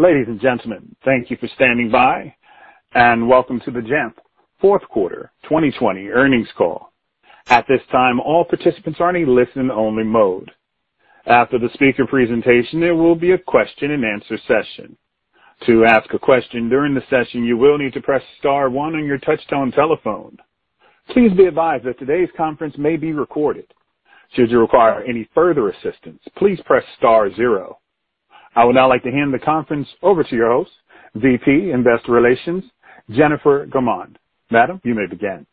Ladies and gentlemen, thank you for standing by, and welcome to the Jamf fourth quarter 2020 earnings call. At this time, all participants are in listen-only mode. After the speaker presentation, there will be a question-and-answer session. To ask a question during the session, you will need to press star one in your touchtone telepone. Please be advised that today's conference may be recorded. Should your recquire any further assistance, please press star zero. I would now like to hand the conference over to your host, VP Investor Relations, Jennifer Gaumond. Madam, you may begin.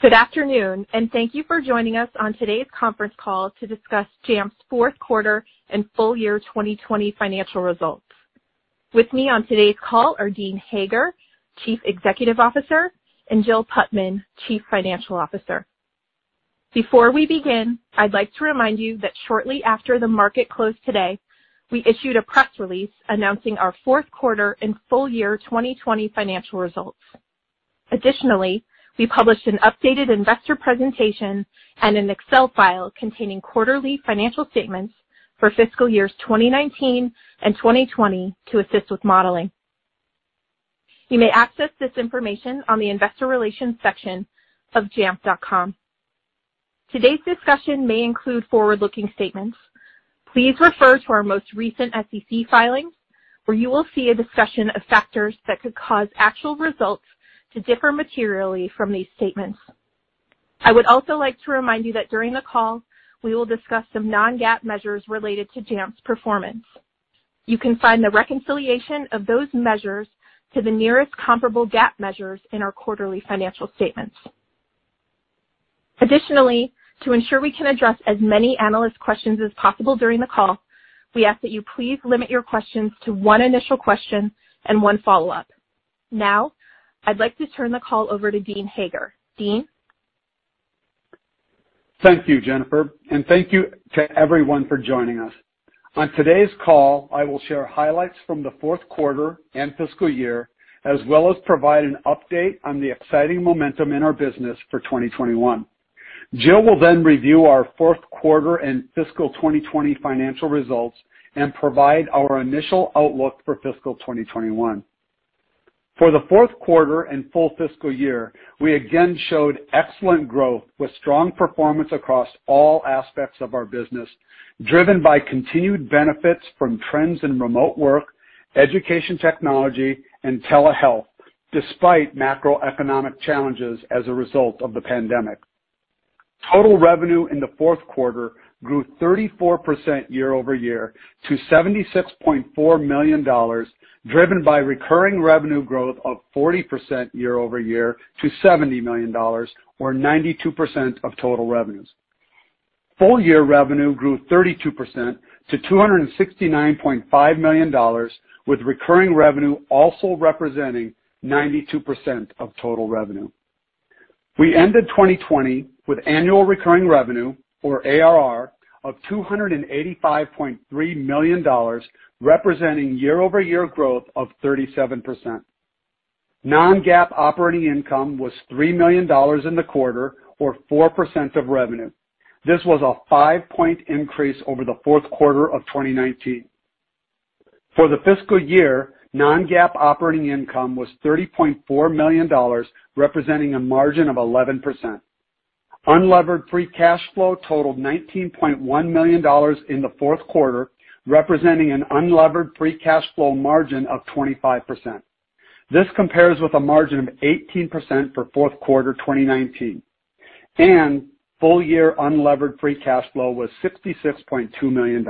Good afternoon, and thank you for joining us on today's conference call to discuss Jamf's fourth quarter and full-year 2020 financial results. With me on today's call are Dean Hager, Chief Executive Officer, and Jill Putman, Chief Financial Officer. Before we begin, I'd like to remind you that shortly after the market closed today, we issued a press release announcing our fourth quarter and full-year 2020 financial results. Additionally, we published an updated investor presentation and an Excel file containing quarterly financial statements for fiscal years 2019 and 2020 to assist with modeling. You may access this information on the Investor Relations section of jamf.com. Today's discussion may include forward-looking statements. Please refer to our most recent SEC filings, where you will see a discussion of factors that could cause actual results to differ materially from these statements. I would also like to remind you that during the call, we will discuss some non-GAAP measures related to Jamf's performance. You can find the reconciliation of those measures to the nearest comparable GAAP measures in our quarterly financial statements. Additionally, to ensure we can address as many analyst questions as possible during the call, we ask that you please limit your questions to one initial question and one follow-up. Now, I'd like to turn the call over to Dean Hager. Dean? Thank you, Jennifer, and thank you to everyone for joining us. On today's call, I will share highlights from the fourth quarter and fiscal year, as well as provide an update on the exciting momentum in our business for 2021. Jill will then review our fourth quarter and fiscal 2020 financial results and provide our initial outlook for fiscal 2021. For the fourth quarter and full fiscal year, we again showed excellent growth with strong performance across all aspects of our business, driven by continued benefits from trends in remote work, education technology, and telehealth, despite macroeconomic challenges as a result of the pandemic. Total revenue in the fourth quarter grew 34% year-over-year to $76.4 million, driven by recurring revenue growth of 40% year-over-year to $70 million, or 92% of total revenues. Full-year revenue grew 32% to $269.5 million, with recurring revenue also representing 92% of total revenue. We ended 2020 with annual recurring revenue, or ARR, of $285.3 million, representing year-over-year growth of 37%. Non-GAAP operating income was $3 million in the quarter, or 4% of revenue. This was a 5-point increase over the fourth quarter of 2019. For the fiscal year, non-GAAP operating income was $30.4 million, representing a margin of 11%. Unlevered free cash flow totaled $19.1 million in the fourth quarter, representing an unlevered free cash flow margin of 25%. This compares with a margin of 18% for fourth quarter 2019, and full-year unlevered free cash flow was $66.2 million.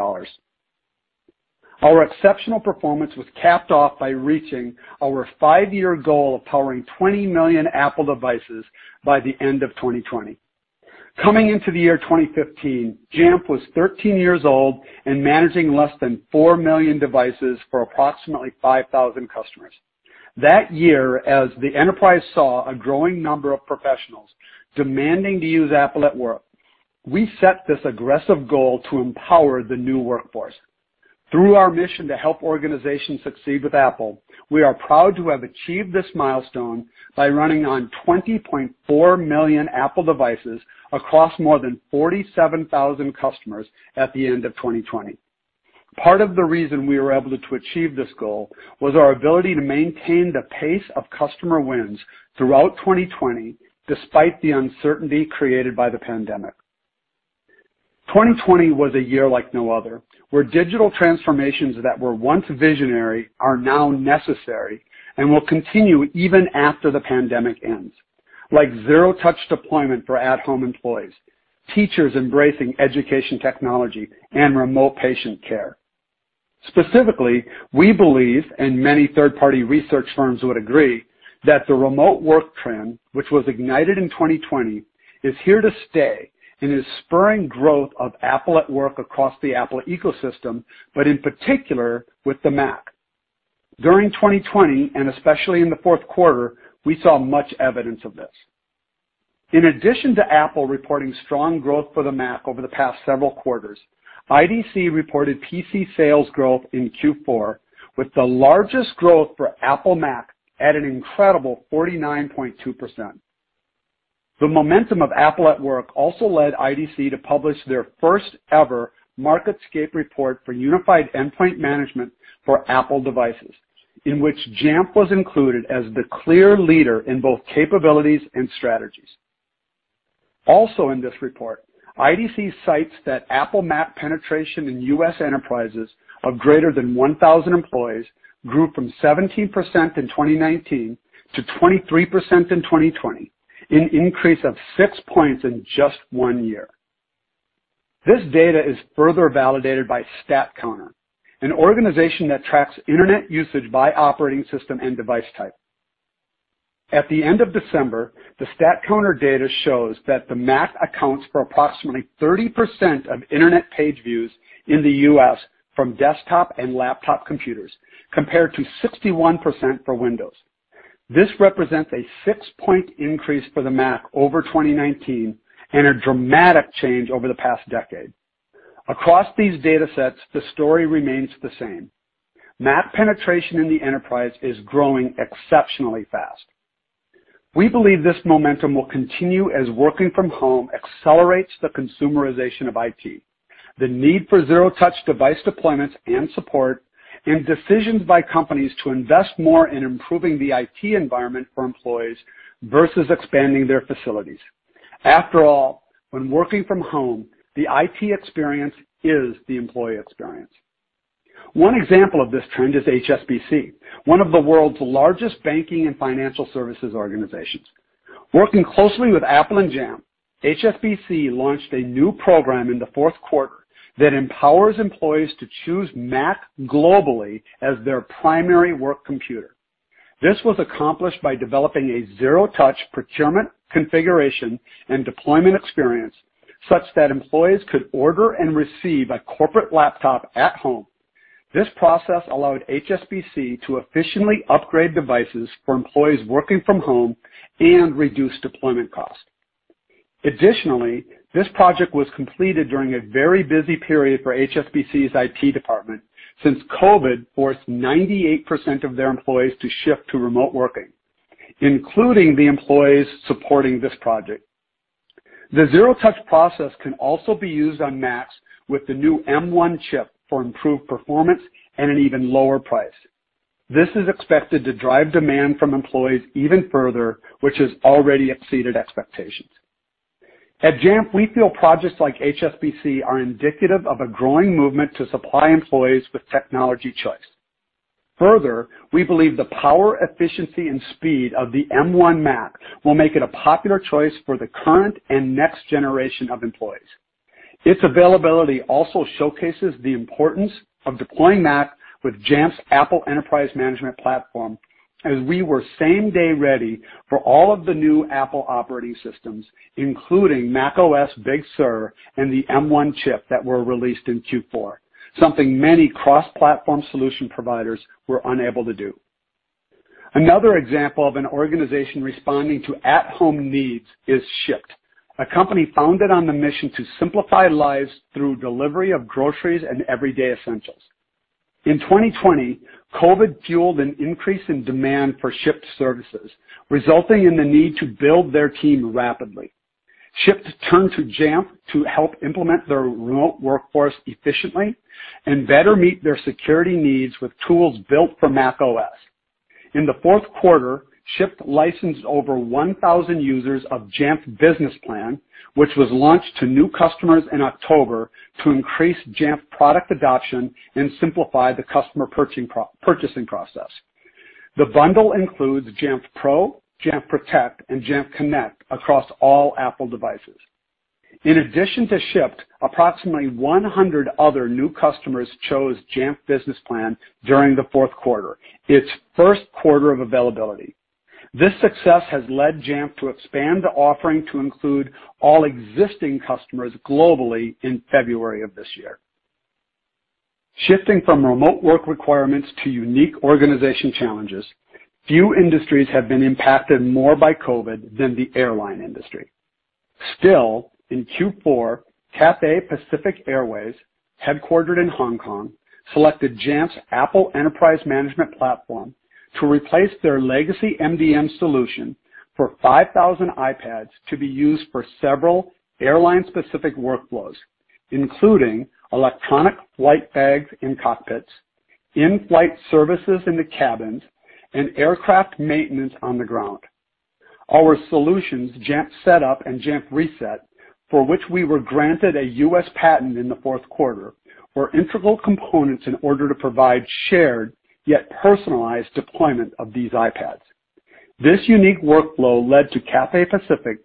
Our exceptional performance was capped off by reaching our five-year goal of powering 20 million Apple devices by the end of 2020. Coming into the year 2015, Jamf was 13-years-old and managing less than four million devices for approximately 5,000 customers. That year, as the enterprise saw a growing number of professionals demanding to use Apple at Work, we set this aggressive goal to empower the new workforce. Through our mission to help organizations succeed with Apple, we are proud to have achieved this milestone by running on 20.4 million Apple devices across more than 47,000 customers at the end of 2020. Part of the reason we were able to achieve this goal was our ability to maintain the pace of customer wins throughout 2020, despite the uncertainty created by the pandemic. 2020 was a year like no other, where digital transformations that were once visionary are now necessary and will continue even after the pandemic ends. Like zero-touch deployment for at-home employees, teachers embracing education technology, and remote patient care. Specifically, we believe, and many third-party research firms would agree, that the remote work trend, which was ignited in 2020, is here to stay and is spurring growth of Apple at Work across the Apple ecosystem, but in particular with the Mac. During 2020, and especially in the fourth quarter, we saw much evidence of this. In addition to Apple reporting strong growth for the Mac over the past several quarters, IDC reported PC sales growth in Q4 with the largest growth for Apple Mac at an incredible 49.2%. The momentum of Apple at Work also led IDC to publish their first-ever MarketScape report for unified endpoint management for Apple devices, in which Jamf was included as the clear leader in both capabilities and strategies. Also in this report, IDC cites that Apple Mac penetration in U.S. enterprises of greater than 1,000 employees grew from 17% in 2019 to 23% in 2020, an increase of 6 points in just one year. This data is further validated by StatCounter, an organization that tracks Internet usage by operating system and device type. At the end of December, the StatCounter data shows that the Mac accounts for approximately 30% of Internet page views in the U.S. from desktop and laptop computers, compared to 61% for Windows. This represents a 6 point increase for the Mac over 2019 and a dramatic change over the past decade. Across these data sets, the story remains the same. Mac penetration in the enterprise is growing exceptionally fast. We believe this momentum will continue as working from home accelerates the consumerization of IT, the need for zero-touch device deployments and support, and decisions by companies to invest more in improving the IT environment for employees versus expanding their facilities. After all, when working from home, the IT experience is the employee experience. One example of this trend is HSBC, one of the world's largest banking and financial services organizations. Working closely with Apple and Jamf, HSBC launched a new program in the fourth quarter that empowers employees to choose Mac globally as their primary work computer. This was accomplished by developing a zero-touch procurement configuration and deployment experience, such that employees could order and receive a corporate laptop at home. This process allowed HSBC to efficiently upgrade devices for employees working from home and reduce deployment costs. Additionally, this project was completed during a very busy period for HSBC's IT department since COVID forced 98% of their employees to shift to remote working, including the employees supporting this project. The zero-touch process can also be used on Macs with the new M1 chip for improved performance and an even lower price. This is expected to drive demand from employees even further, which has already exceeded expectations. At Jamf, we feel projects like HSBC are indicative of a growing movement to supply employees with technology choice. Further, we believe the power, efficiency, and speed of the M1 Mac will make it a popular choice for the current and next generation of employees. Its availability also showcases the importance of deploying Mac with Jamf's Apple Enterprise Management platform, as we were same-day ready for all of the new Apple operating systems, including macOS Big Sur and the M1 chip that were released in Q4, something many cross-platform solution providers were unable to do. Another example of an organization responding to at-home needs is Shipt, a company founded on the mission to simplify lives through delivery of groceries and everyday essentials. In 2020, COVID fueled an increase in demand for Shipt's services, resulting in the need to build their team rapidly. Shipt turned to Jamf to help implement their remote workforce efficiently and better meet their security needs with tools built for macOS. In the fourth quarter, Shipt licensed over 1,000 users of Jamf Business Plan, which was launched to new customers in October to increase Jamf product adoption and simplify the customer purchasing process. The bundle includes Jamf Pro, Jamf Protect, and Jamf Connect across all Apple devices. In addition to Shipt, approximately 100 other new customers chose Jamf Business Plan during the fourth quarter, its first quarter of availability. This success has led Jamf to expand the offering to include all existing customers globally in February of this year. Shifting from remote work requirements to unique organization challenges, few industries have been impacted more by COVID than the airline industry. Still, in Q4, Cathay Pacific Airways, headquartered in Hong Kong, selected Jamf's Apple Enterprise Management platform to replace their legacy MDM solution for 5,000 iPads to be used for several airline-specific workflows, including Electronic Flight Bags in cockpits, in-flight services in the cabins, and aircraft maintenance on the ground. Our solutions, Jamf Setup and Jamf Reset, for which we were granted a U.S. patent in the fourth quarter, were integral components in order to provide shared yet personalized deployment of these iPads. This unique workflow led to Cathay Pacific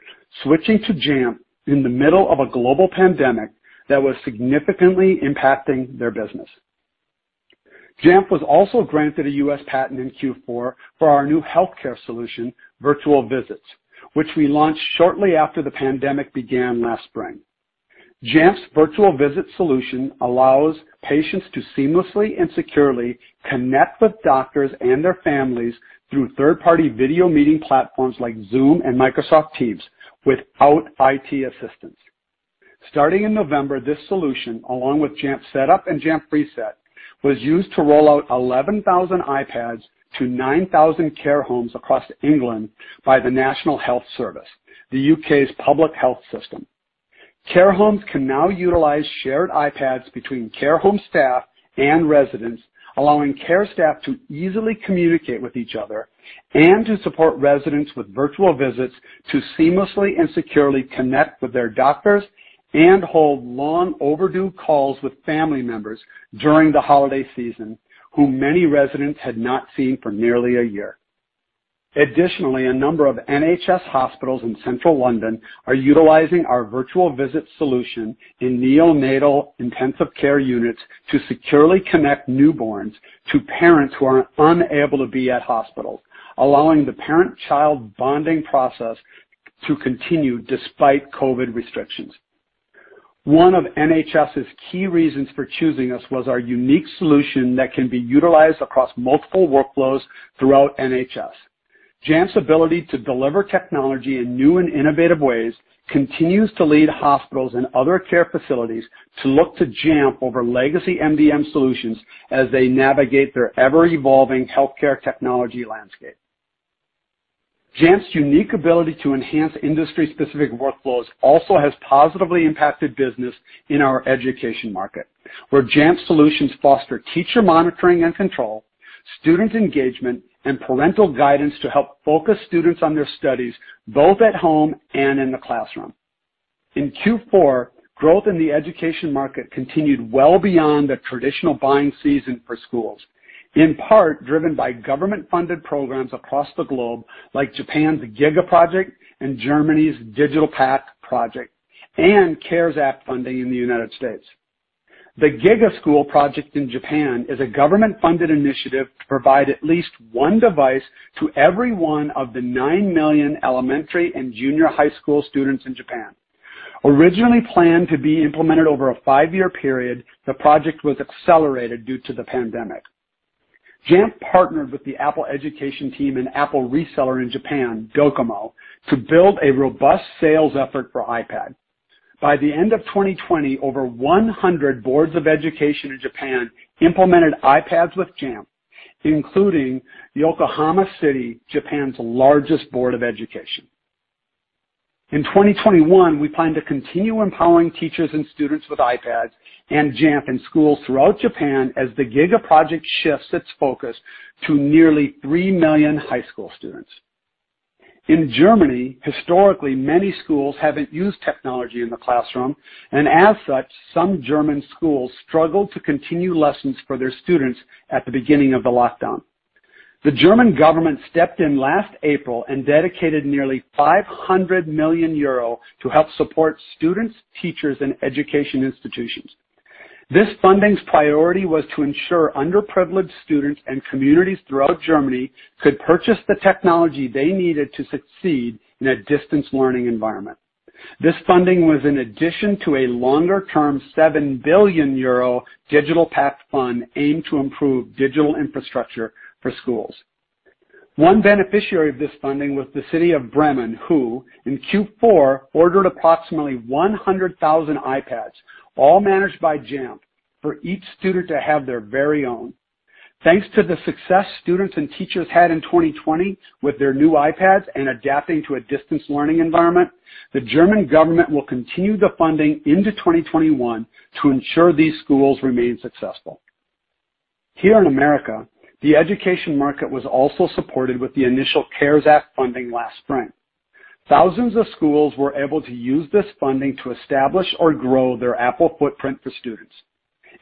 switching to Jamf in the middle of a global pandemic that was significantly impacting their business. Jamf was also granted a U.S. patent in Q4 for our new healthcare solution, Virtual Visits, which we launched shortly after the pandemic began last spring. Jamf's Virtual Visits solution allows patients to seamlessly and securely connect with doctors and their families through third-party video meeting platforms like Zoom and Microsoft Teams without IT assistance. Starting in November, this solution, along with Jamf Setup and Jamf Reset, was used to roll out 11,000 iPads to 9,000 care homes across England by the National Health Service, the U.K.'s public health system. Care homes can now utilize shared iPads between care home staff and residents, allowing care staff to easily communicate with each other and to support residents with Virtual Visits to seamlessly and securely connect with their doctors and hold long-overdue calls with family members during the holiday season, whom many residents had not seen for nearly a year. Additionally, a number of NHS hospitals in Central London are utilizing our Virtual Visits solution in neonatal intensive care units to securely connect newborns to parents who are unable to be at hospital, allowing the parent-child bonding process to continue despite COVID restrictions. One of NHS's key reasons for choosing us was our unique solution that can be utilized across multiple workflows throughout NHS. Jamf's ability to deliver technology in new and innovative ways continues to lead hospitals and other care facilities to look to Jamf over legacy MDM solutions as they navigate their ever-evolving healthcare technology landscape. Jamf's unique ability to enhance industry-specific workflows also has positively impacted business in our education market, where Jamf solutions foster teacher monitoring and control, student engagement, and parental guidance to help focus students on their studies, both at home and in the classroom. In Q4, growth in the education market continued well beyond the traditional buying season for schools, in part driven by government-funded programs across the globe, like Japan's GIGA Project and Germany's DigitalPakt Schule, and CARES Act funding in the United States. The GIGA School Project in Japan is a government-funded initiative to provide at least one device to every one of the 9 million elementary and junior high school students in Japan. Originally planned to be implemented over a five-year period, the project was accelerated due to the pandemic. Jamf partnered with the Apple education team and Apple reseller in Japan, Docomo, to build a robust sales effort for iPad. By the end of 2020, over 100 boards of education in Japan implemented iPads with Jamf, including Yokohama City, Japan's largest board of education. In 2021, we plan to continue empowering teachers and students with iPads and Jamf in schools throughout Japan as the GIGA Project shifts its focus to nearly 3 million high school students. In Germany, historically, many schools haven't used technology in the classroom, and as such, some German schools struggled to continue lessons for their students at the beginning of the lockdown. The German government stepped in last April and dedicated nearly 500 million euro to help support students, teachers, and education institutions. This funding's priority was to ensure underprivileged students and communities throughout Germany could purchase the technology they needed to succeed in a distance learning environment. This funding was in addition to a longer-term 7 billion euro DigitalPakt Schule aimed to improve digital infrastructure for schools. One beneficiary of this funding was the City of Bremen, who, in Q4, ordered approximately 100,000 iPads, all managed by Jamf, for each student to have their very own. Thanks to the success students and teachers had in 2020 with their new iPads and adapting to a distance learning environment, the German government will continue the funding into 2021 to ensure these schools remain successful. Here in America, the education market was also supported with the initial CARES Act funding last spring. Thousands of schools were able to use this funding to establish or grow their Apple footprint for students.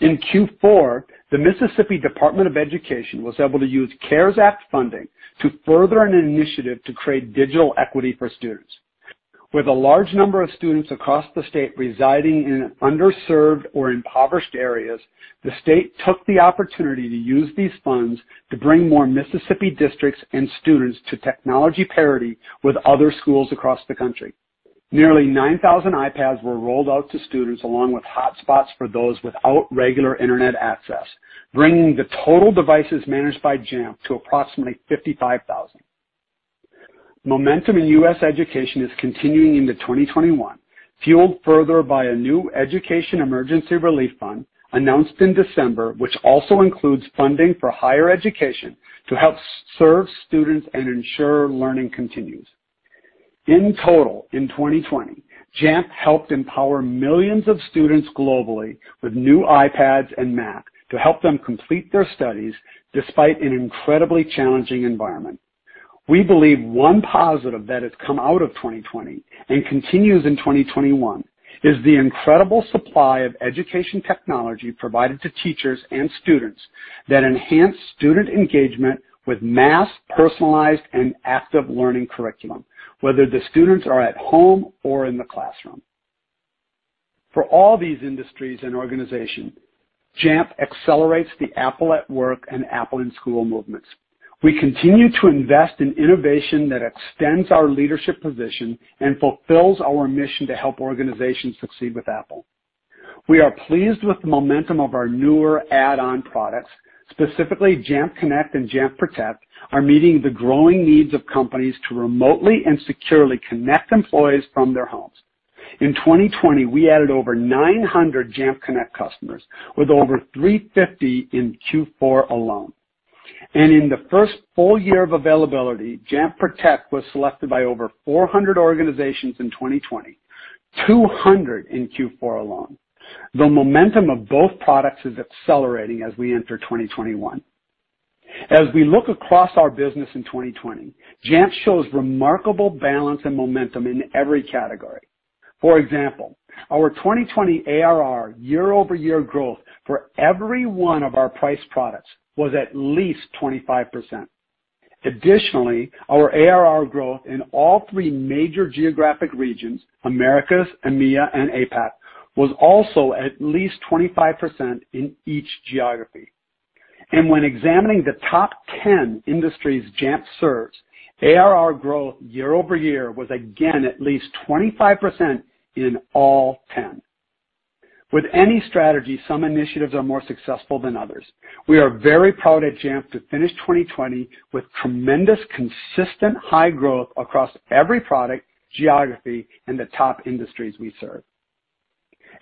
In Q4, the Mississippi Department of Education was able to use CARES Act funding to further an initiative to create digital equity for students. With a large number of students across the state residing in underserved or impoverished areas, the state took the opportunity to use these funds to bring more Mississippi districts and students to technology parity with other schools across the country. Nearly 9,000 iPads were rolled out to students, along with hotspots for those without regular Internet access, bringing the total devices managed by Jamf to approximately 55,000. Momentum in U.S. education is continuing into 2021, fueled further by a new Education Emergency Relief Fund announced in December, which also includes funding for higher education to help serve students and ensure learning continues. In total, in 2020, Jamf helped empower millions of students globally with new iPads and Mac to help them complete their studies despite an incredibly challenging environment. We believe one positive that has come out of 2020 and continues in 2021 is the incredible supply of education technology provided to teachers and students that enhance student engagement with mass personalized and active learning curriculum, whether the students are at home or in the classroom. For all these industries and organizations, Jamf accelerates the Apple at Work and Apple in School movements. We continue to invest in innovation that extends our leadership position and fulfills our mission to help organizations succeed with Apple. We are pleased with the momentum of our newer add-on products. Specifically, Jamf Connect and Jamf Protect are meeting the growing needs of companies to remotely and securely connect employees from their homes. In 2020, we added over 900 Jamf Connect customers, with over 350 in Q4 alone. In the first full-year of availability, Jamf Protect was selected by over 400 organizations in 2020, 200 in Q4 alone. The momentum of both products is accelerating as we enter 2021. As we look across our business in 2020, Jamf shows remarkable balance and momentum in every category. For example, our 2020 ARR year-over-year growth for every one of our priced products was at least 25%. Additionally, our ARR growth in all three major geographic regions, Americas, EMEA, and APAC, was also at least 25% in each geography. When examining the top 10 industries Jamf serves, ARR growth year-over-year was, again, at least 25% in all 10. With any strategy, some initiatives are more successful than others. We are very proud at Jamf to finish 2020 with tremendous, consistent high growth across every product, geography, and the top industries we serve.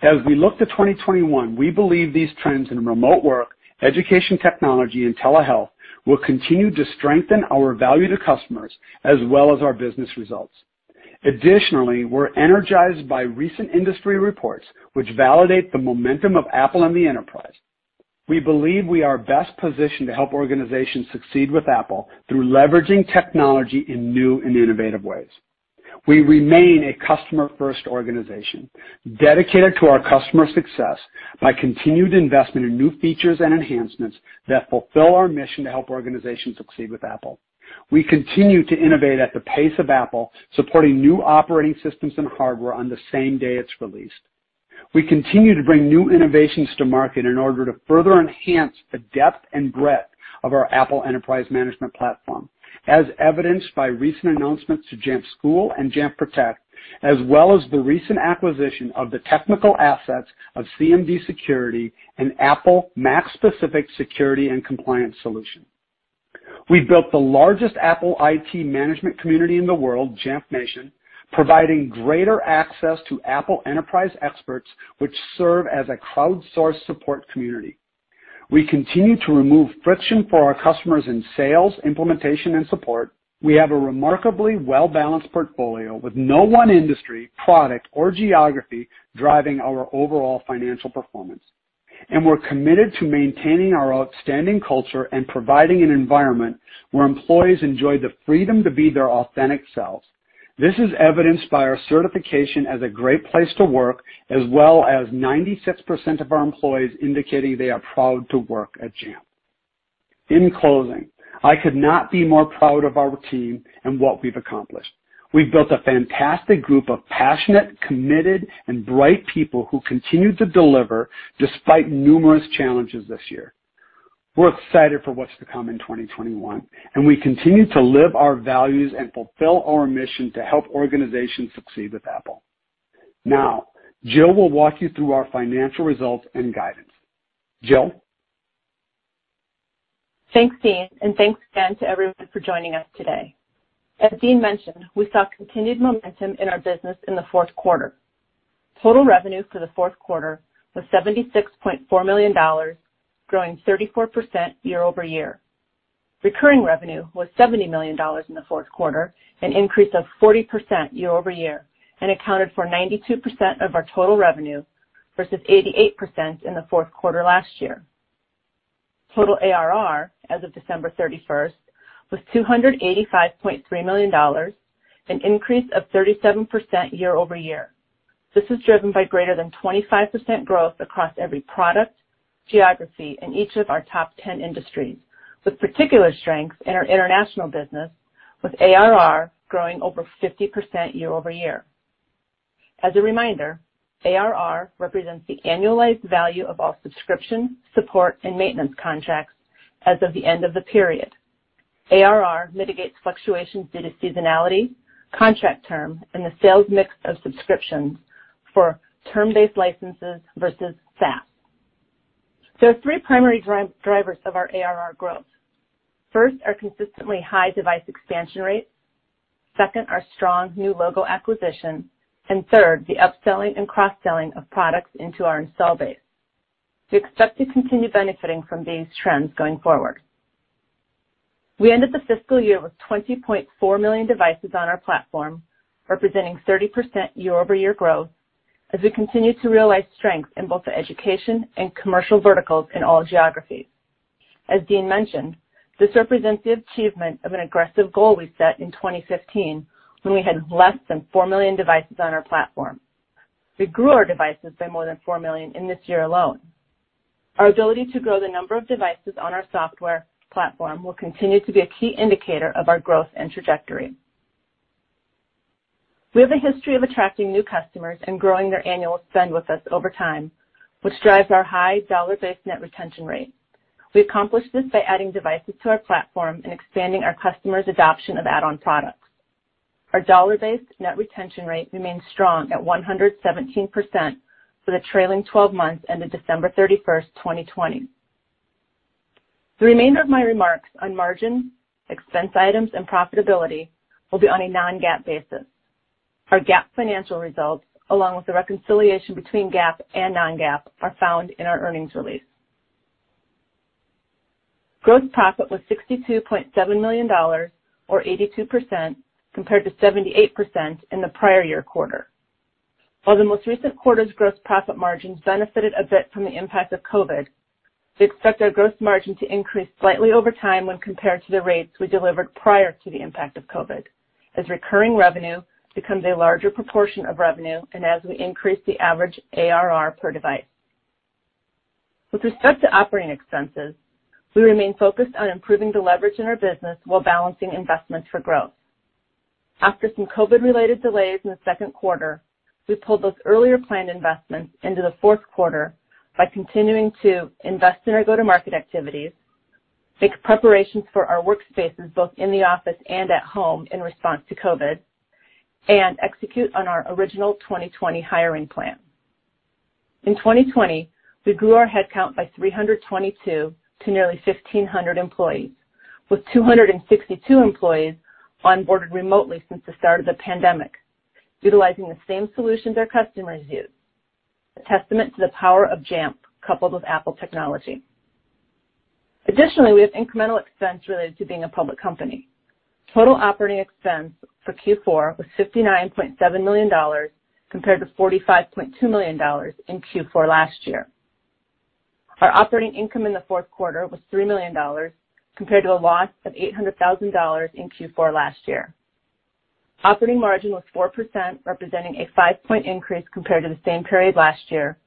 As we look to 2021, we believe these trends in remote work, education technology, and telehealth will continue to strengthen our value to customers as well as our business results. Additionally, we're energized by recent industry reports which validate the momentum of Apple in the enterprise. We believe we are best positioned to help organizations succeed with Apple through leveraging technology in new and innovative ways. We remain a customer-first organization dedicated to our customers' success by continued investment in new features and enhancements that fulfill our mission to help organizations succeed with Apple. We continue to innovate at the pace of Apple, supporting new operating systems and hardware on the same day it's released. We continue to bring new innovations to market in order to further enhance the depth and breadth of our Apple Enterprise Management platform, as evidenced by recent announcements to Jamf School and Jamf Protect, as well as the recent acquisition of the technical assets of cmdSecurity and Apple Mac-specific security and compliance solution. We built the largest Apple IT management community in the world, Jamf Nation, providing greater access to Apple enterprise experts, which serve as a crowdsourced support community. We continue to remove friction for our customers in sales, implementation, and support. We have a remarkably well-balanced portfolio with no one industry, product, or geography driving our overall financial performance and we're committed to maintaining our outstanding culture and providing an environment where employees enjoy the freedom to be their authentic selves. This is evidenced by our certification as a great place to work, as well as 96% of our employees indicating they are proud to work at Jamf. In closing, I could not be more proud of our team and what we've accomplished. We've built a fantastic group of passionate, committed, and bright people who continue to deliver despite numerous challenges this year. We're excited for what's to come in 2021, and we continue to live our values and fulfill our mission to help organizations succeed with Apple. Now, Jill will walk you through our financial results and guidance. Jill? Thanks, Dean, thanks again to everyone for joining us today. As Dean mentioned, we saw continued momentum in our business in the fourth quarter. Total revenue for the fourth quarter was $76.4 million, growing 34% year-over-year. Recurring revenue was $70 million in the fourth quarter, an increase of 40% year-over-year, and accounted for 92% of our total revenue versus 88% in the fourth quarter last year. Total ARR as of December 31st was $285.3 million, an increase of 37% year-over-year. This is driven by greater than 25% growth across every product, geography, and each of our top 10 industries, with particular strength in our international business, with ARR growing over 50% year-over-year. As a reminder, ARR represents the annualized value of all subscription, support, and maintenance contracts as of the end of the period. ARR mitigates fluctuations due to seasonality, contract term, and the sales mix of subscriptions for term-based licenses versus SaaS. There are three primary drivers of our ARR growth. First, our consistently high device expansion rate. Second, our strong new logo acquisition. Third, the upselling and cross-selling of products into our install base. We expect to continue benefiting from these trends going forward. We ended the fiscal year with 20.4 million devices on our platform, representing 30% year-over-year growth as we continue to realize strength in both the education and commercial verticals in all geographies. As Dean mentioned, this represents the achievement of an aggressive goal we set in 2015 when we had less than 4 million devices on our platform. We grew our devices by more than 4 million in this year alone. Our ability to grow the number of devices on our software platform will continue to be a key indicator of our growth and trajectory. We have a history of attracting new customers and growing their annual spend with us over time, which drives our high dollar-based net retention rate. We accomplish this by adding devices to our platform and expanding our customers' adoption of add-on products. Our dollar-based net retention rate remains strong at 117% for the trailing 12 months ended December 31st, 2020. The remainder of my remarks on margin, expense items, and profitability will be on a non-GAAP basis. Our GAAP financial results, along with the reconciliation between GAAP and non-GAAP, are found in our earnings release. Gross profit was $62.7 million, or 82%, compared to 78% in the prior year quarter. While the most recent quarter's gross profit margin benefited a bit from the impact of COVID, we expect our gross margin to increase slightly over time when compared to the rates we delivered prior to the impact of COVID, as recurring revenue becomes a larger proportion of revenue, and as we increase the average ARR per device. With respect to operating expenses, we remain focused on improving the leverage in our business while balancing investments for growth. After some COVID-related delays in the second quarter, we pulled those earlier planned investments into the fourth quarter by continuing to invest in our go-to-market activities, make preparations for our workspaces, both in the office and at home in response to COVID, and execute on our original 2020 hiring plan. In 2020, we grew our headcount by 322 to nearly 1,500 employees, with 262 employees onboarded remotely since the start of the pandemic, utilizing the same solutions our customers use. A testament to the power of Jamf coupled with Apple technology. Additionally, we have incremental expense related to being a public company. Total operating expense for Q4 was $59.7 million, compared to $45.2 million in Q4 last year. Our operating income in the fourth quarter was $3 million compared to a loss of $800,000 in Q4 last year. Operating margin was 4%, representing a 5-point increase compared to the same period last year,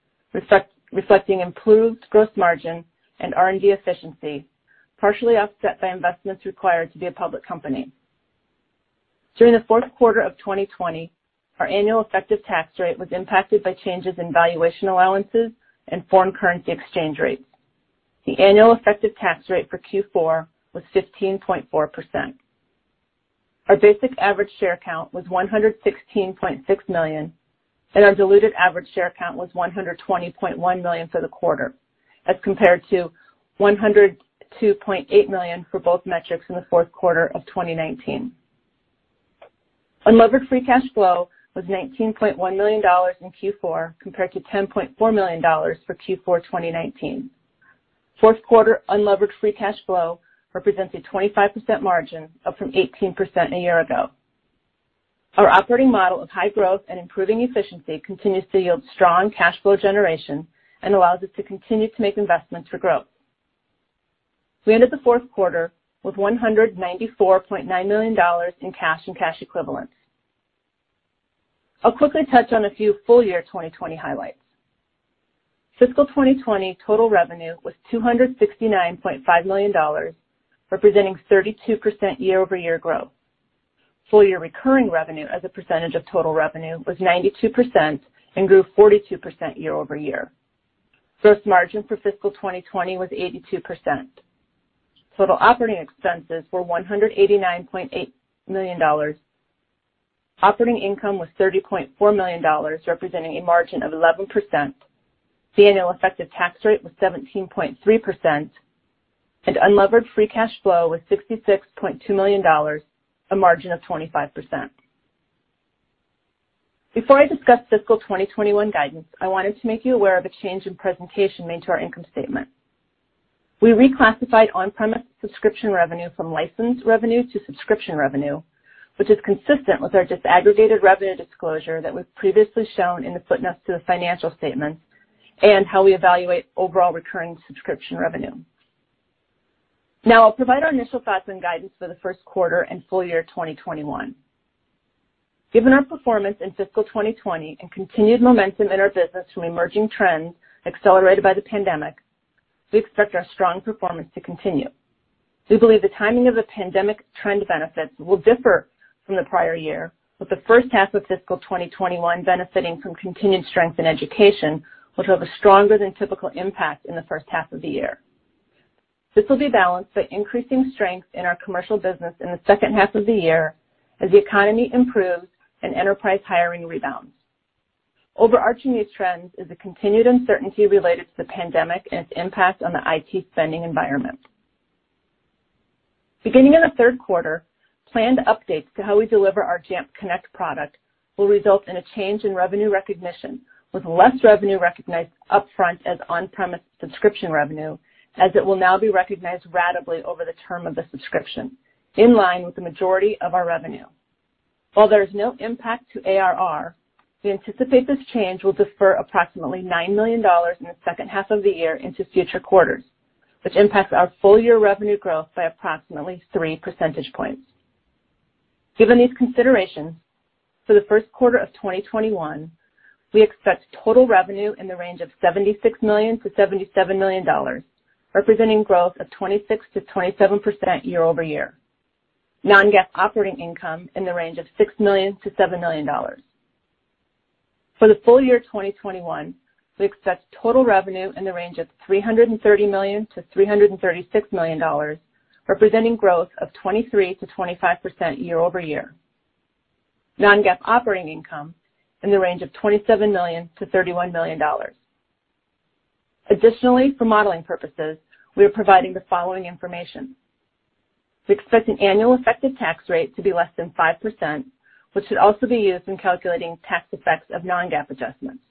reflecting improved gross margin and R&D efficiency, partially offset by investments required to be a public company. During the fourth quarter of 2020, our annual effective tax rate was impacted by changes in valuation allowances and foreign currency exchange rates. The annual effective tax rate for Q4 was 15.4%. Our basic average share count was 116.6 million, and our diluted average share count was 120.1 million for the quarter, as compared to 102.8 million for both metrics in the fourth quarter of 2019. Unlevered free cash flow was $19.1 million in Q4, compared to $10.4 million for Q4 2019. Fourth quarter unlevered free cash flow represents a 25% margin, up from 18% a year ago. Our operating model of high growth and improving efficiency continues to yield strong cash flow generation and allows us to continue to make investments for growth. We ended the fourth quarter with $194.9 million in cash and cash equivalents. I'll quickly touch on a few full-year 2020 highlights. Fiscal 2020 total revenue was $269.5 million, representing 32% year-over-year growth. Full-year recurring revenue as a percentage of total revenue was 92% and grew 42% year-over-year. Gross margin for fiscal 2020 was 82%. Total operating expenses were $189.8 million. Operating income was $30.4 million, representing a margin of 11%. The annual effective tax rate was 17.3%, and unlevered free cash flow was $66.2 million, a margin of 25%. Before I discuss fiscal 2021 guidance, I wanted to make you aware of a change in presentation made to our income statement. We reclassified on-premises subscription revenue from licensed revenue to subscription revenue, which is consistent with our disaggregated revenue disclosure that was previously shown in the footnotes to the financial statements and how we evaluate overall recurring subscription revenue. Now I'll provide our initial thoughts and guidance for the first quarter and full-year 2021. Given our performance in fiscal 2020 and continued momentum in our business from emerging trends accelerated by the pandemic, we expect our strong performance to continue. We believe the timing of the pandemic trend benefits will differ from the prior year, with the first half of fiscal 2021 benefiting from continued strength in education, which will have a stronger than typical impact in the first half of the year. This will be balanced by increasing strength in our commercial business in the second half of the year as the economy improves and enterprise hiring rebounds. Overarching these trends is the continued uncertainty related to the pandemic and its impact on the IT spending environment. Beginning in the third quarter, planned updates to how we deliver our Jamf Connect product will result in a change in revenue recognition, with less revenue recognized upfront as on-premises subscription revenue, as it will now be recognized ratably over the term of the subscription, in line with the majority of our revenue. While there is no impact to ARR, we anticipate this change will defer approximately $9 million in the second half of the year into future quarters, which impacts our full-year revenue growth by approximately 3 percentage points. Given these considerations, for the first quarter of 2021, we expect total revenue in the range of $76 million-$77 million, representing growth of 26%-27% year-over-year. Non-GAAP operating income in the range of $6 million-$7 million. For the full-year 2021, we expect total revenue in the range of $330 million-$336 million, representing growth of 23%-25% year-over-year. Non-GAAP operating income in the range of $27 million-$31 million. Additionally, for modeling purposes, we are providing the following information. We expect an annual effective tax rate to be less than 5%, which should also be used in calculating tax effects of non-GAAP adjustments.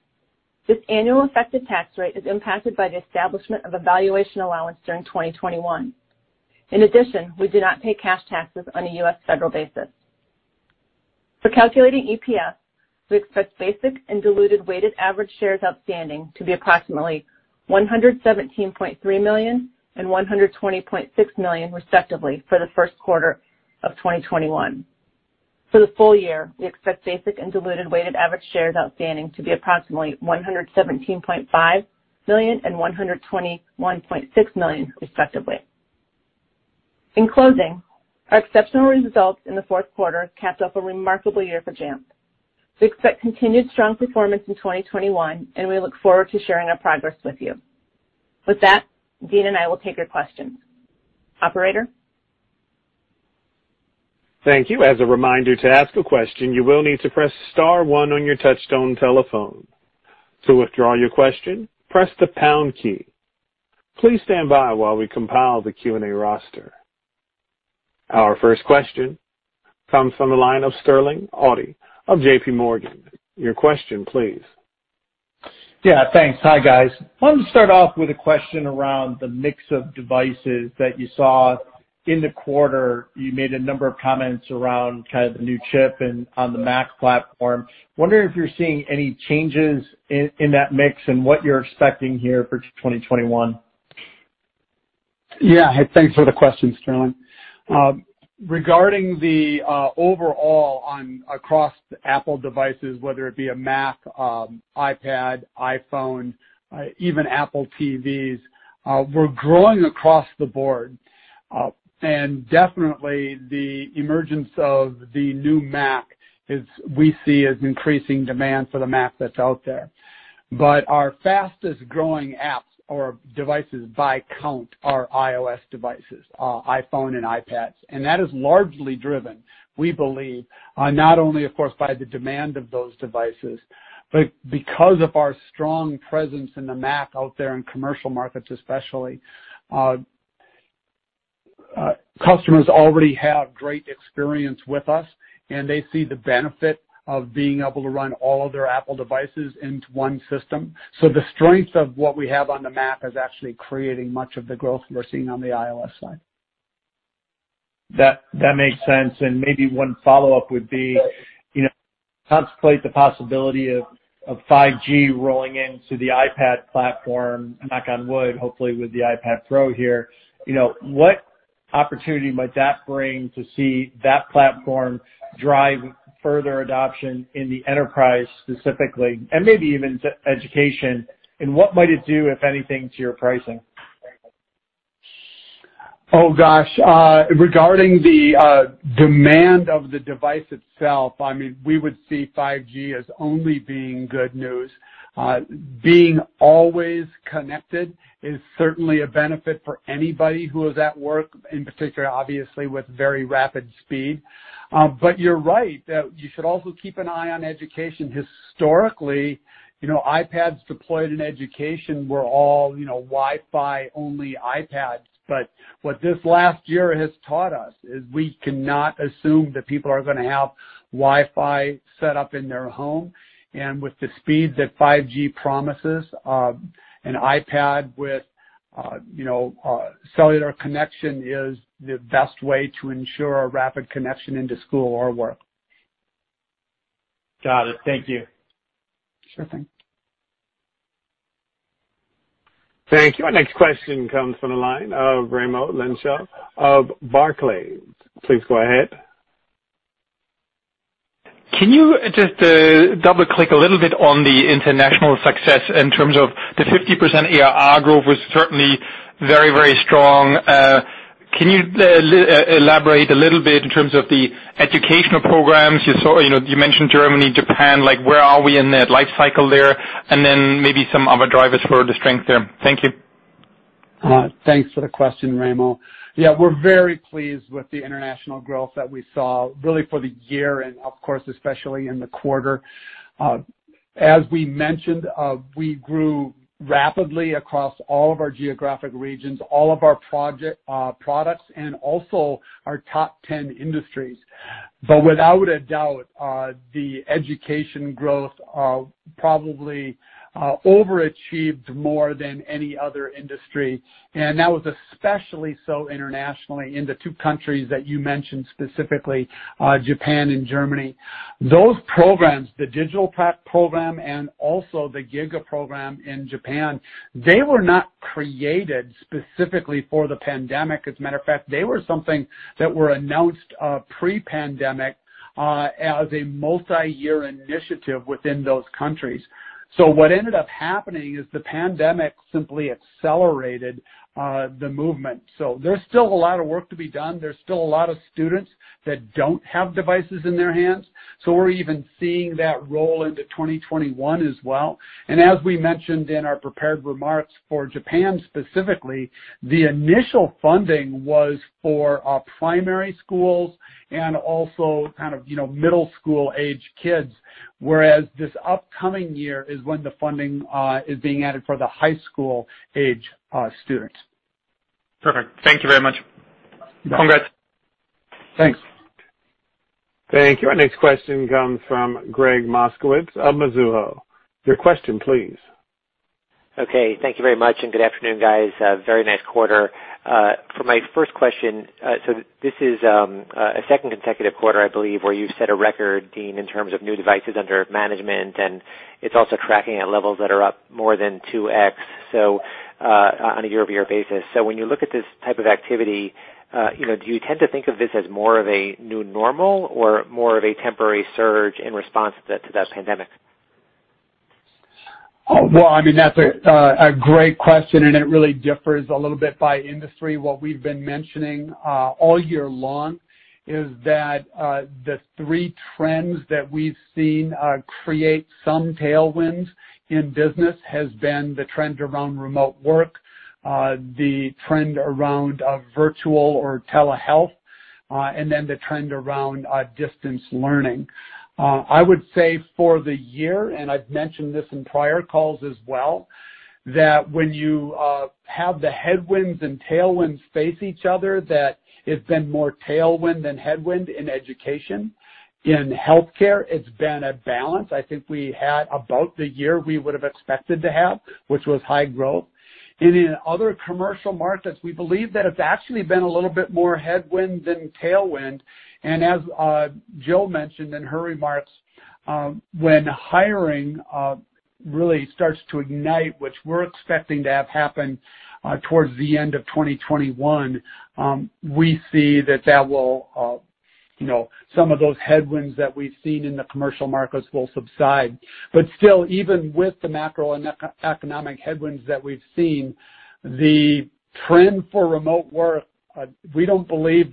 This annual effective tax rate is impacted by the establishment of a valuation allowance during 2021. In addition, we do not pay cash taxes on a U.S. federal basis. For calculating EPS, we expect basic and diluted weighted average shares outstanding to be approximately 117.3 million and 120.6 million, respectively, for the first quarter of 2021. For the full-year, we expect basic and diluted weighted average shares outstanding to be approximately 117.5 million and 121.6 million, respectively. In closing, our exceptional results in the fourth quarter capped off a remarkable year for Jamf. We expect continued strong performance in 2021, and we look forward to sharing our progress with you. With that, Dean and I will take your questions. Operator? Thank you. As a reminder, to ask a question, you will need to press star one on your touchtone telephone. To withdraw your question, press the pound key. Please stand by while we compile the Q&A roster. Our first question comes from the line of Sterling Auty of JPMorgan. Your question, please. Yeah, thanks. Hi, guys. Wanted to start off with a question around the mix of devices that you saw in the quarter. You made a number of comments around the new chip and on the Mac platform. Wondering if you're seeing any changes in that mix and what you're expecting here for 2021? Yeah. Thanks for the question, Sterling. Regarding the overall across Apple devices, whether it be a Mac, iPad, iPhone, even Apple TVs, we're growing across the board. Definitely the emergence of the new Mac is we see as increasing demand for the Mac that's out there. Our fastest-growing apps or devices by count are iOS devices, iPhone and iPads. That is largely driven, we believe, not only of course, by the demand of those devices, but because of our strong presence in the Mac out there in commercial markets, especially. Customers already have great experience with us, and they see the benefit of being able to run all of their Apple devices into one system. The strength of what we have on the Mac is actually creating much of the growth we're seeing on the iOS side. That makes sense. Maybe one follow-up would be, contemplate the possibility of 5G rolling into the iPad platform, knock on wood, hopefully with the iPad Pro here. What opportunity might that bring to see that platform drive further adoption in the enterprise specifically, and maybe even education, and what might it do, if anything, to your pricing? Oh, gosh. Regarding the demand of the device itself, we would see 5G as only being good news. Being always connected is certainly a benefit for anybody who is at work, in particular, obviously, with very rapid speed. You're right, that you should also keep an eye on education. Historically, iPads deployed in education were all Wi-Fi-only iPads. What this last year has taught us is we cannot assume that people are going to have Wi-Fi set up in their home, and with the speeds that 5G promises, an iPad with cellular connection is the best way to ensure a rapid connection into school or work. Got it. Thank you. Sure thing. Thank you. Our next question comes from the line of Raimo Lenschow of Barclays. Please go ahead. Can you just double-click a little bit on the international success in terms of the 50% ARR growth was certainly very strong. Can you elaborate a little bit in terms of the educational programs? You mentioned Germany, Japan, like where are we in that life cycle there, and then maybe some other drivers for the strength there. Thank you. Thanks for the question, Raimo. Yeah, we're very pleased with the international growth that we saw really for the year and of course, especially in the quarter. As we mentioned, we grew rapidly across all of our geographic regions, all of our products, and also our top 10 industries. Without a doubt, the education growth probably overachieved more than any other industry, and that was especially so internationally in the two countries that you mentioned specifically, Japan and Germany. Those programs, the DigitalPakt Schule and also the GIGA School Program in Japan, they were not created specifically for the pandemic. As a matter of fact, they were something that were announced pre-pandemic as a multi-year initiative within those countries. What ended up happening is the pandemic simply accelerated the movement. There's still a lot of work to be done. There's still a lot of students that don't have devices in their hands. We're even seeing that roll into 2021 as well. As we mentioned in our prepared remarks for Japan specifically, the initial funding was for primary schools and also kind of middle school-aged kids, whereas this upcoming year is when the funding is being added for the high school-age students. Perfect, thank you very much. Congrats. Thanks. Thank you. Our next question comes from Gregg Moskowitz of Mizuho. Your question, please. Okay. Thank you very much, and good afternoon, guys. A very nice quarter. For my first question, this is a second consecutive quarter, I believe, where you set a record, Dean, in terms of new devices under management, and it's also tracking at levels that are up more than 2x on a year-over-year basis. When you look at this type of activity, do you tend to think of this as more of a new normal or more of a temporary surge in response to that pandemic? Well, I mean, that's a great question. It really differs a little bit by industry. What we've been mentioning all year long is that the three trends that we've seen create some tailwinds in business has been the trend around remote work, the trend around virtual or telehealth, and then, the trend around distance learning. I would say for the year, I've mentioned this in prior calls as well, that when you have the headwinds and tailwinds face each other, that it's been more tailwind than headwind in education. In healthcare, it's been a balance. I think we had about the year we would've expected to have, which was high growth. In other commercial markets, we believe that it's actually been a little bit more headwind than tailwind, as Jill mentioned in her remarks, when hiring really starts to ignite, which we're expecting to have happen towards the end of 2021, we see that some of those headwinds that we've seen in the commercial markets will subside. Still, even with the macroeconomic headwinds that we've seen, the trend for remote work, we don't believe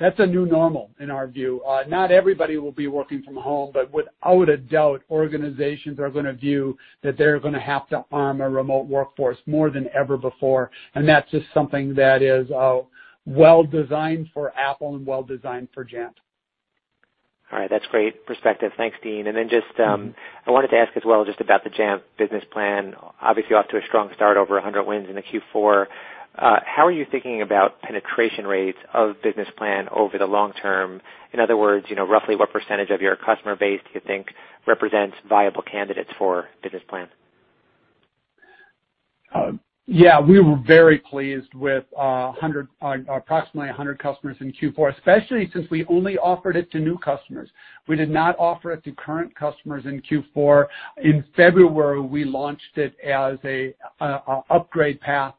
that's a new normal in our view. Not everybody will be working from home, without a doubt, organizations are going to view that they're going to have to arm a remote workforce more than ever before, and that's just something that is well-designed for Apple and well-designed for Jamf. All right. That's great perspective. Thanks, Dean. I wanted to ask as well just about the Jamf Business Plan. Obviously off to a strong start over 100 wins in the Q4. How are you thinking about penetration rates of Business Plan over the long term? In other words, roughly what percentage of your customer base do you think represents viable candidates for Business Plan? Yeah. We were very pleased with approximately 100 customers in Q4, especially since we only offered it to new customers. We did not offer it to current customers in Q4. In February, we launched it as an upgrade path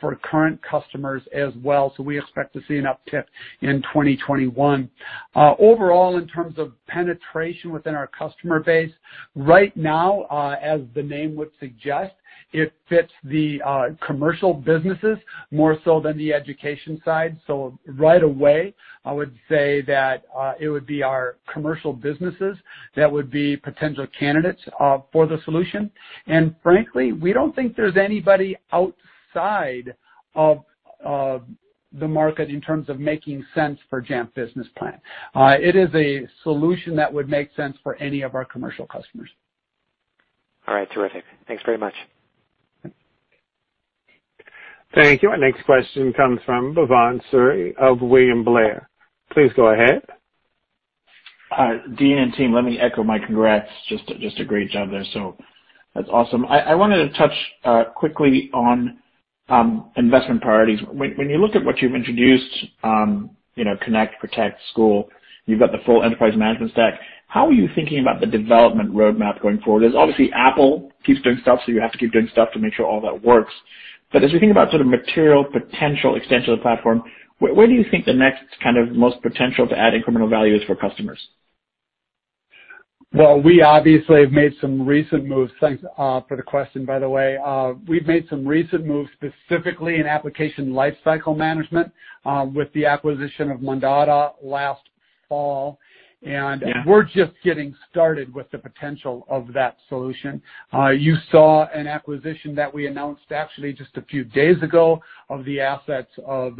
for current customers as well. We expect to see an uptick in 2021. Overall, in terms of penetration within our customer base, right now, as the name would suggest, it fits the commercial businesses more so than the education side. Right away, I would say that it would be our commercial businesses that would be potential candidates for the solution. Frankly, we don't think there's anybody outside of the market in terms of making sense for Jamf Business Plan. It is a solution that would make sense for any of our commercial customers. All right, terrific. Thanks very much. Thank you. Our next question comes from Bhavan Suri of William Blair. Please go ahead. Hi, Dean and team. Let me echo my congrats, just a great job there, that's awesome. I wanted to touch quickly on investment priorities. When you look at what you've introduced, Connect, Protect, School, you've got the full enterprise management stack. How are you thinking about the development roadmap going forward? obviously Apple keeps doing stuff, you have to keep doing stuff to make sure all that works. as you think about sort of material potential extension of the platform, where do you think the next kind of most potential to add incremental value is for customers? Well, we obviously have made some recent moves. Thanks for the question, by the way. We've made some recent moves specifically in application lifecycle management, with the acquisition of Mondada last fall. Yeah. We're just getting started with the potential of that solution. You saw an acquisition that we announced actually just a few days ago of the assets of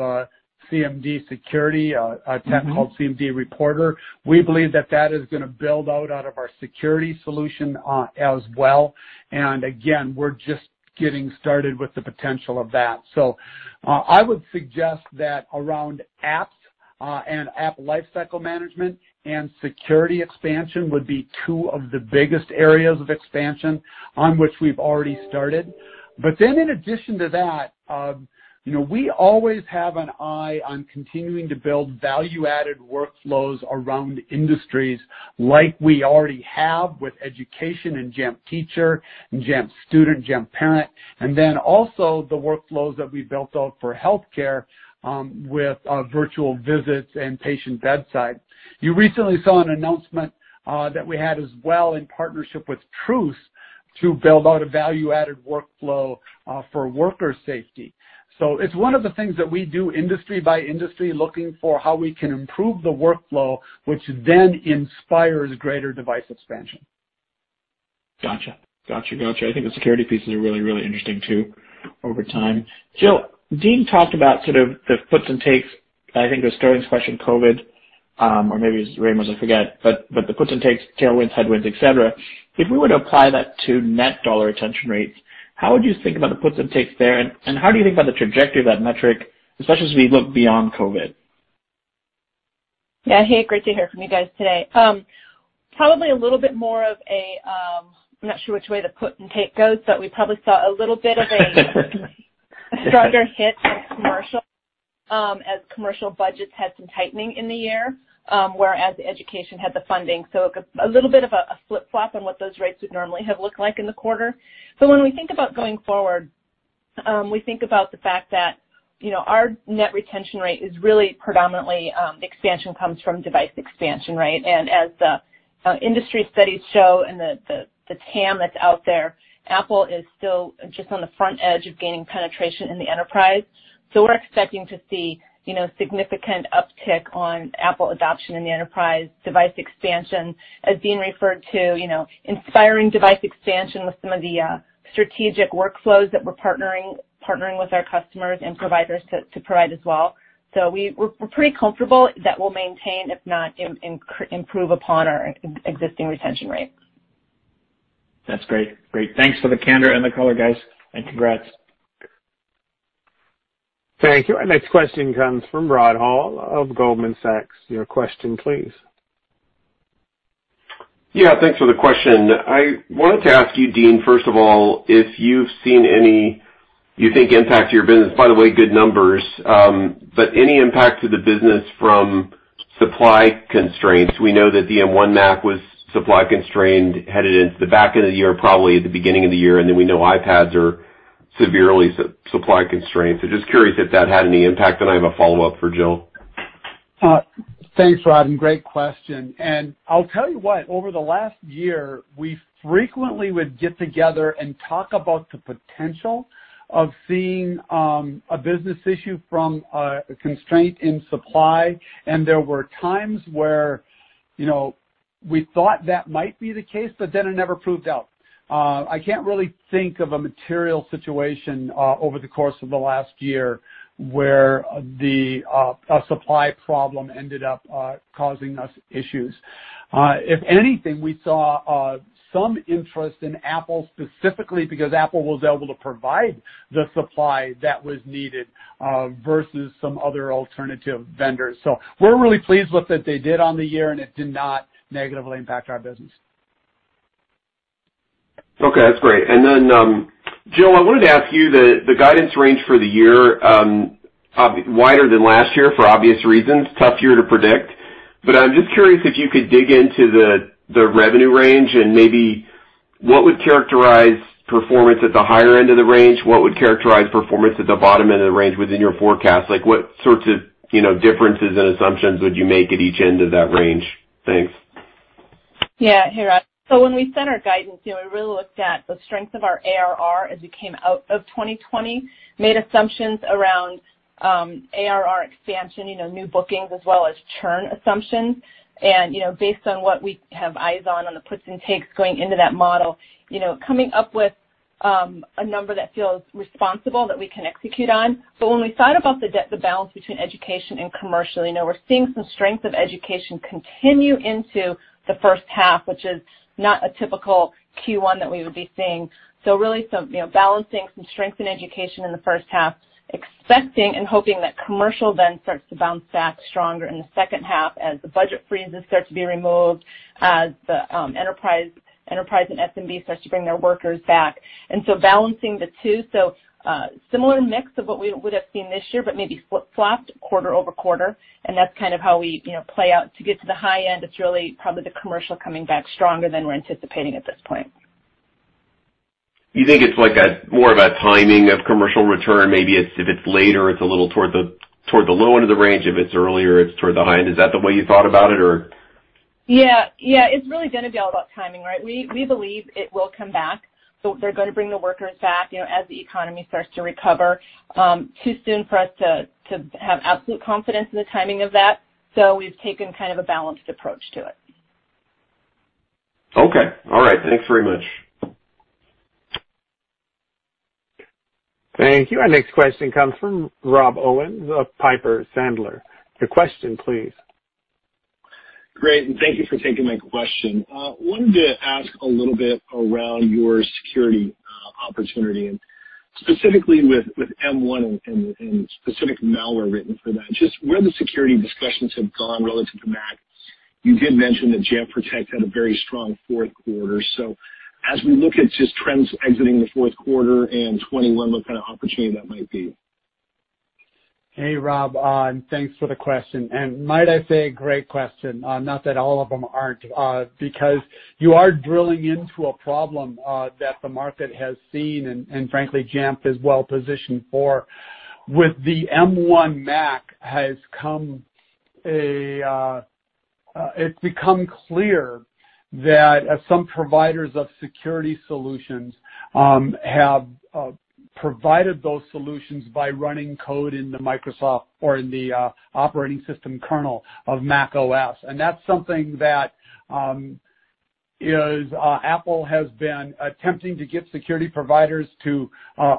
cmdSecurity. A tech called cmdReporter. We believe that that is going to build out out of our security solution as well. Again, we're just getting started with the potential of that. I would suggest that around apps, and app lifecycle management, and security expansion would be two of the biggest areas of expansion on which we've already started. In addition to that, we always have an eye on continuing to build value-added workflows around industries like we already have with education and Jamf Teacher, and Jamf Student, Jamf Parent, and then also the workflows that we built out for healthcare, with Virtual Visits and patient bedside. You recently saw an announcement that we had as well in partnership with TRUCE to build out a value-added workflow for worker safety. It's one of the things that we do industry by industry, looking for how we can improve the workflow, which then inspires greater device expansion. Got you. I think the security pieces are really interesting too, over time. Jill, Dean talked about sort of the puts and takes, I think it was Sterling's question, COVID, or maybe it was Raimo's, I forget. The puts and takes, tailwinds, headwinds, etc. If we were to apply that to net dollar retention rates, how would you think about the puts and takes there, and how do you think about the trajectory of that metric as best as we look beyond COVID? Yeah. Hey, great to hear from you guys today. Probably a little bit more of a, I'm not sure which way the put and take goes, we probably saw a little bit of a stronger hit from commercial, as commercial budgets had some tightening in the year, whereas education had the funding. A little bit of a flip-flop on what those rates would normally have looked like in the quarter. When we think about going forward, we think about the fact that our net retention rate is really predominantly, expansion comes from device expansion, right? As the industry studies show and the TAM that's out there, Apple is still just on the front edge of gaining penetration in the enterprise. We're expecting to see significant uptick on Apple adoption in the enterprise, device expansion, as Dean referred to, inspiring device expansion with some of the strategic workflows that we're partnering with our customers and providers to provide as well. We're pretty comfortable that we'll maintain, if not improve, upon our existing retention rates. That's great. Thanks for the candor and the color, guys, and congrats. Thank you. Our next question comes from Rod Hall of Goldman Sachs. Your question, please. Yeah, thanks for the question. I wanted to ask you, Dean, first of all, if you've seen any you think impact your business. By the way, good numbers. Any impact to the business from supply constraints? We know that the M1 Mac was supply constrained headed into the back end of the year, probably at the beginning of the year. We know iPads are severely supply constrained. Just curious if that had any impact, then I have a follow-up for Jill. Thanks, Rod. Great question. I'll tell you what, over the last year, we frequently would get together and talk about the potential of seeing a business issue from a constraint in supply. There were times where we thought that might be the case. It never proved out. I can't really think of a material situation over the course of the last year where a supply problem ended up causing us issues. If anything, we saw some interest in Apple specifically because Apple was able to provide the supply that was needed versus some other alternative vendors. We're really pleased with what they did on the year. It did not negatively impact our business. Okay, that's great. Jill, I wanted to ask you, the guidance range for the year, wider than last year for obvious reasons, tough year to predict. I'm just curious if you could dig into the revenue range and maybe what would characterize performance at the higher end of the range? What would characterize performance at the bottom end of the range within your forecast? What sorts of differences and assumptions would you make at each end of that range? Thanks. Yeah. Hey, Rod. When we set our guidance, we really looked at the strength of our ARR as we came out of 2020, made assumptions around ARR expansion, new bookings as well as churn assumptions. Based on what we have eyes on the puts and takes going into that model, coming up with a number that feels responsible that we can execute on. When we thought about the balance between education and commercial, we're seeing some strength of education continue into the first half, which is not a typical Q1 that we would be seeing. Really balancing some strength in education in the first half, expecting and hoping that commercial then starts to bounce back stronger in the second half as the budget freezes start to be removed, as the enterprise and SMB starts to bring their workers back. Balancing the two, so similar mix of what we would've seen this year, but maybe flip-flopped quarter-over-quarter, and that's kind of how we play out. To get to the high end, it's really probably the commercial coming back stronger than we're anticipating at this point. You think it's more of a timing of commercial return? Maybe if it's later, it's a little toward the low end of the range. If it's earlier, it's toward the high end. Is that the way you thought about it or? Yeah. It's really going to be all about timing, right? We believe it will come back. They're going to bring the workers back as the economy starts to recover. Too soon for us to have absolute confidence in the timing of that, so we've taken kind of a balanced approach to it. Okay. All right, thanks very much. Thank you. Our next question comes from Rob Owens of Piper Sandler. Your question, please. Great, thank you for taking my question. Wanted to ask a little bit around your security opportunity, and specifically with M1 and specific malware written for that, just where the security discussions have gone relative to Mac. You did mention that Jamf Protect had a very strong fourth quarter. As we look at just trends exiting the fourth quarter and 2021, what kind of opportunity that might be? Hey, Rob, thanks for the question, might I say, great question. Not that all of them aren't, because you are drilling into a problem that the market has seen and frankly, Jamf is well-positioned for. With the M1 Mac, it's become clear that some providers of security solutions have provided those solutions by running code in the Microsoft or in the operating system kernel of macOS. That's something that Apple has been attempting to get security providers to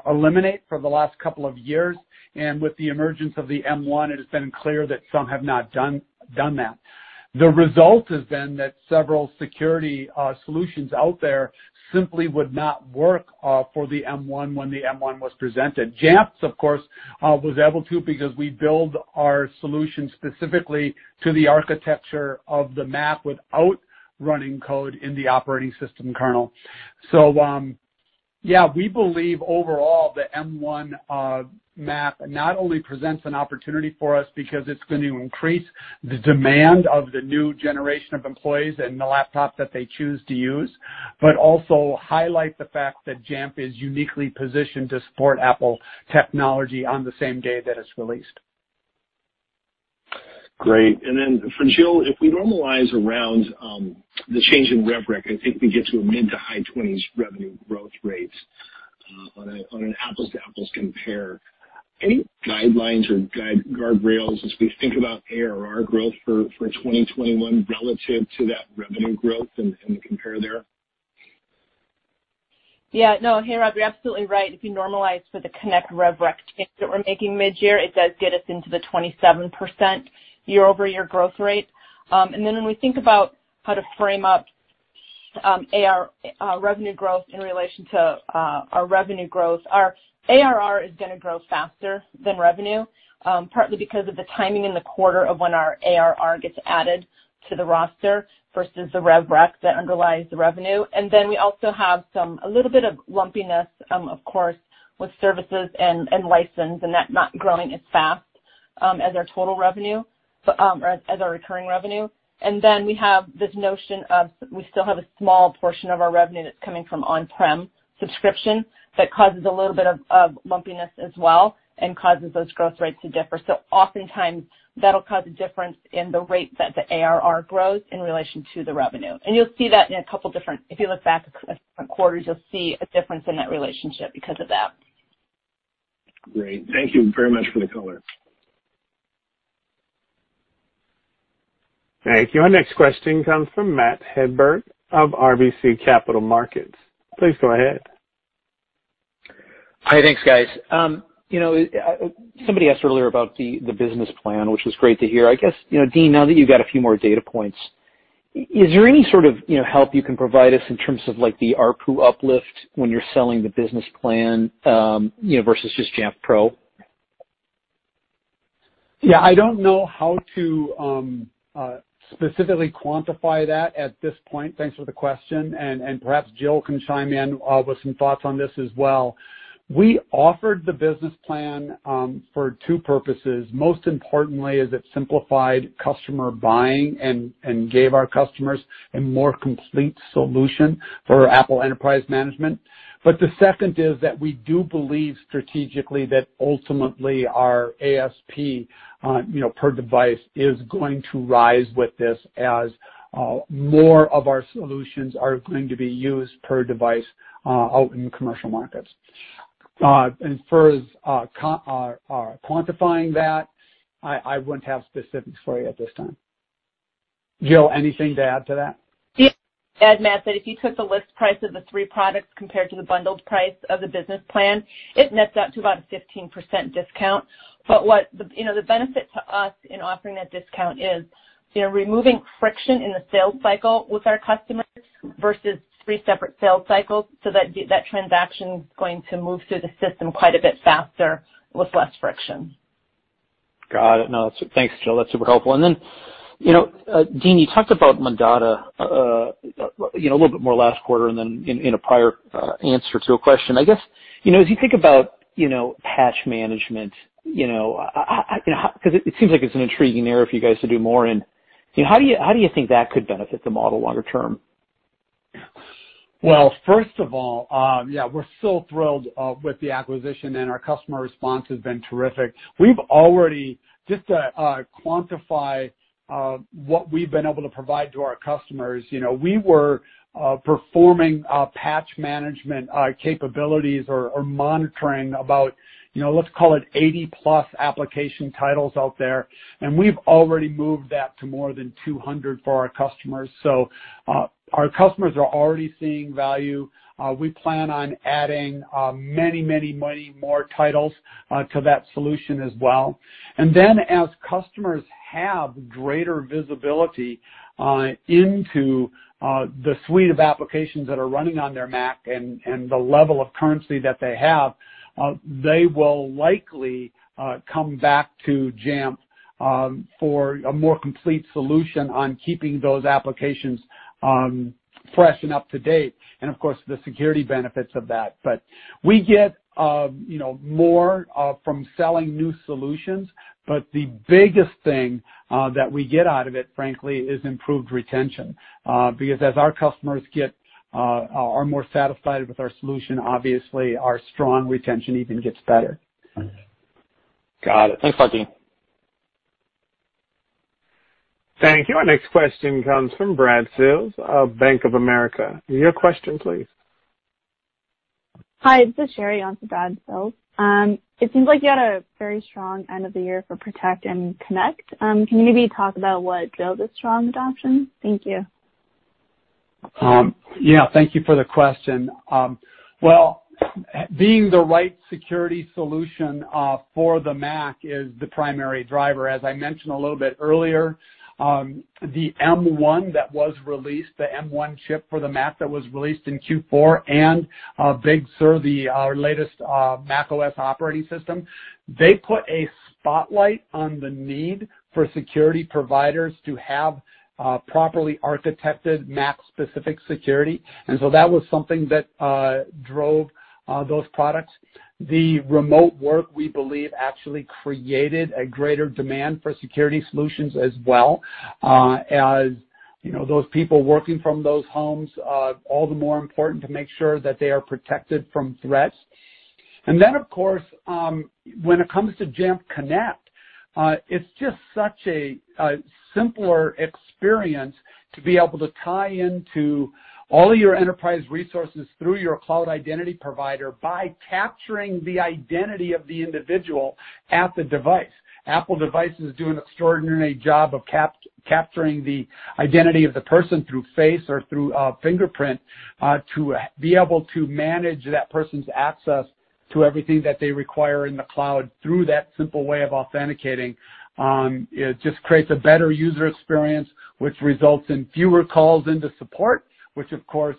eliminate for the last couple of years. With the emergence of the M1, it has been clear that some have not done that. The result has been that several security solutions out there simply would not work for the M1 when the M1 was presented. Jamf, of course, was able to because we build our solutions specifically to the architecture of the Mac without running code in the operating system kernel. Yeah, we believe overall the M1 Mac not only presents an opportunity for us because it's going to increase the demand of the new generation of employees and the laptops that they choose to use, but also highlight the fact that Jamf is uniquely positioned to support Apple technology on the same day that it's released. Great. Then for Jill, if we normalize around the change in revenue recognition, I think we get to a mid-to-high 20% revenue growth rate on an apples to apples compare. Any guidelines or guardrails as we think about ARR growth for 2021 relative to that revenue growth and the compare there? No, hey, Rob, you're absolutely right. If you normalize for the Jamf Connect revenue recognition change that we're making mid-year, it does get us into the 27% year-over-year growth rate. When we think about how to frame up revenue growth in relation to our revenue growth, our ARR is going to grow faster than revenue, partly because of the timing in the quarter of when our ARR gets added to the roster versus the revenue recognition that underlies the revenue. We also have a little bit of lumpiness, of course, with services and license and that not growing as fast as our total revenue, or as our recurring revenue. We have this notion of, we still have a small portion of our revenue that's coming from on-premises subscription. That causes a little bit of lumpiness as well and causes those growth rates to differ. Oftentimes that'll cause a difference in the rate that the ARR grows in relation to the revenue. You'll see that if you look back a couple different quarters, you'll see a difference in that relationship because of that. Great. Thank you very much for the color. Thank you. Our next question comes from Matt Hedberg of RBC Capital Markets. Please go ahead. Hi. Thanks, guys. Somebody asked earlier about the Business Plan, which was great to hear. I guess, Dean, now that you've got a few more data points, is there any sort of help you can provide us in terms of the ARPU uplift when you're selling the Business Plan versus just Jamf Pro? Yeah, I don't know how to specifically quantify that at this point. Thanks for the question. Perhaps Jill can chime in with some thoughts on this as well. We offered the Business Plan for two purposes. Most importantly is it simplified customer buying and gave our customers a more complete solution for Apple Enterprise Management. The second is that we do believe strategically that ultimately our ASP per device is going to rise with this as more of our solutions are going to be used per device out in the commercial markets. For quantifying that, I wouldn't have specifics for you at this time. Jill, anything to add to that? As Matt said, if you took the list price of the three products compared to the bundled price of the Business Plan, it nets out to about a 15% discount. The benefit to us in offering that discount is removing friction in the sales cycle with our customers versus three separate sales cycles, so that transaction's going to move through the system quite a bit faster with less friction. Got it. Thanks, Jill. That's super helpful. Dean, you talked about Mondada a little bit more last quarter, and then in a prior answer to a question. I guess, as you think about patch management, because it seems like it's an intriguing area for you guys to do more in. How do you think that could benefit the model longer term? First of all, yeah, we're so thrilled with the acquisition, our customer response has been terrific. We've already, just to quantify what we've been able to provide to our customers, we were performing patch management capabilities or monitoring about, let's call it 80+ application titles out there, we've already moved that to more than 200 for our customers. Our customers are already seeing value. We plan on adding many, many more titles to that solution as well. And then as customers have greater visibility into the suite of applications that are running on their Mac and the level of currency that they have, they will likely come back to Jamf for a more complete solution on keeping those applications fresh and up to date, of course, the security benefits of that. We get more from selling new solutions, but the biggest thing that we get out of it, frankly, is improved retention because as our customers are more satisfied with our solution, obviously our strong retention even gets better. Got it. Thanks, Matt. Thank you. Our next question comes from Brad Sills of Bank of America. Your question please. Hi, this is Sherry on for Brad Sills. It seems like you had a very strong end of the year for Protect and Connect. Can you maybe talk about what drove the strong adoption? Thank you. Yeah. Thank you for the question. Well, being the right security solution for the Mac is the primary driver. As I mentioned a little bit earlier, the M1 that was released, the M1 chip for the Mac that was released in Q4, and Big Sur, our latest macOS operating system, they put a spotlight on the need for security providers to have properly architected Mac-specific security. That was something that drove those products. The remote work, we believe, actually created a greater demand for security solutions as well. Those people working from those homes, all the more important to make sure that they are protected from threats. And that of course, when it comes to Jamf Connect, it's just such a simpler experience to be able to tie into all your enterprise resources through your cloud identity provider by capturing the identity of the individual at the device. Apple devices do an extraordinary job of capturing the identity of the person through face or through fingerprint, to be able to manage that person's access to everything that they require in the cloud through that simple way of authenticating. It just creates a better user experience, which results in fewer calls into support, which of course,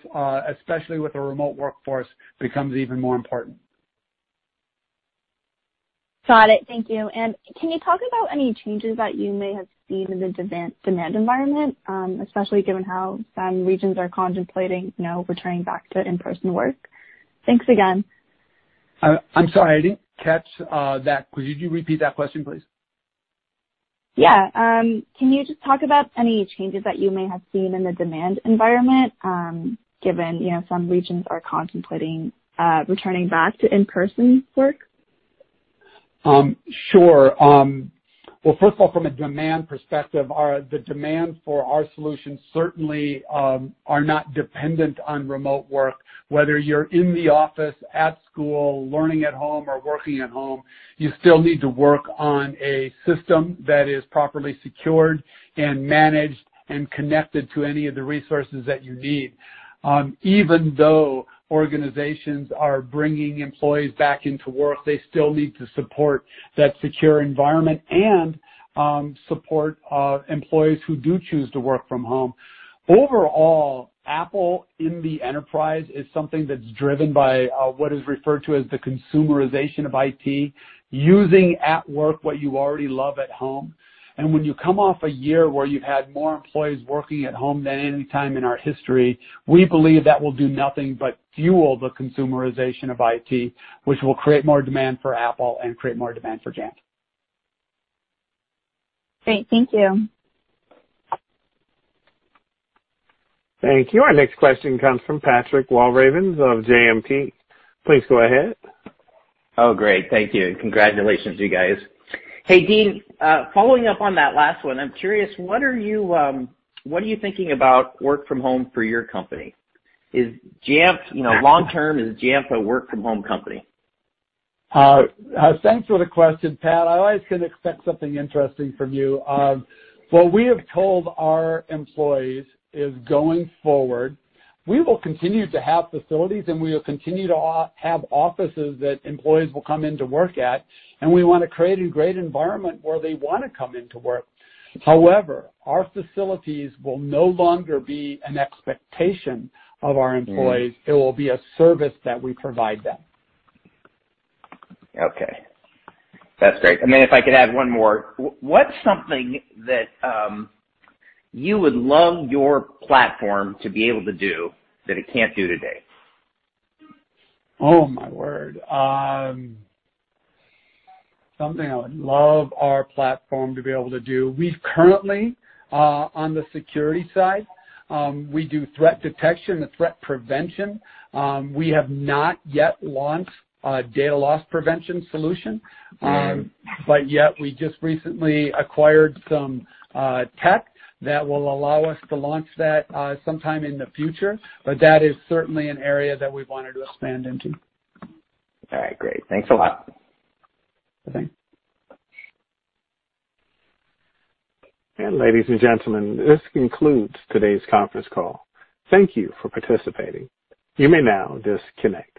especially with a remote workforce, becomes even more important. Got it, thank you. Can you talk about any changes that you may have seen in the demand environment, especially given how some regions are contemplating returning back to in-person work? Thanks again. I'm sorry, I didn't catch that. Could you repeat that question, please? Yeah, can you just talk about any changes that you may have seen in the demand environment, given some regions are contemplating returning back to in-person work? Sure. Well, first of all, from a demand perspective, the demand for our solutions certainly are not dependent on remote work. Whether you're in the office, at school, learning at home, or working at home, you still need to work on a system that is properly secured and managed and connected to any of the resources that you need. Even though organizations are bringing employees back into work, they still need to support that secure environment and support employees who do choose to work from home. Overall, Apple in the enterprise is something that's driven by what is referred to as the consumerization of IT, using at work what you already love at home. When you come off a year where you've had more employees working at home than any time in our history, we believe that will do nothing but fuel the consumerization of IT, which will create more demand for Apple and create more demand for Jamf. Great, thank you. Thank you. Our next question comes from Patrick Walravens of JMP. Please go ahead. Great, thank you. Congratulations, you guys. Hey, Dean. Following up on that last one, I'm curious, what are you thinking about work from home for your company? Long-term, is Jamf a work from home company? Thanks for the question, Pat. I always can expect something interesting from you. What we have told our employees is going forward, we will continue to have facilities, and we will continue to have offices that employees will come in to work at, and we want to create a great environment where they want to come in to work. However, our facilities will no longer be an expectation of our employees. It will be a service that we provide them. Okay, that's great. If I could add one more, what's something that you would love your platform to be able to do that it can't do today? Something I would love our platform to be able to do? We have currently, on the security side, we do threat detection and threat prevention. We have not yet launched a Data Loss Prevention solution, but yet we just recently acquired some tech that will allow us to launch that sometime in the future. That is certainly an area that we wanted to expand into. All right, great. Thanks a lot. Okay. Ladies and gentlemen, this concludes today's conference call. Thank you for participating. You may now disconnect.